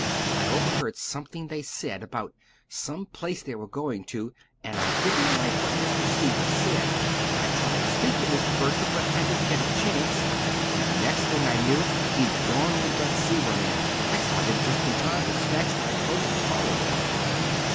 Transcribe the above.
I overheard something they said, about some place they were going to, and I didn't like what Mr. Seaver said. I tried to speak to Mr. Bertram, but I didn't get a chance; and the next thing I knew he'd gone with that Seaver man! I saw them just in time to snatch my cloak and follow them."